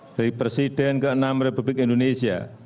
dari presiden ke enam republik indonesia